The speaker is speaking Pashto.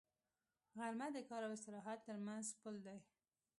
غرمه د کار او استراحت تر منځ پل دی